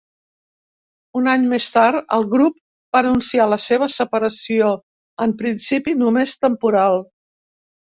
Un any més tard, el grup va anunciar la seva separació, en principi només temporal.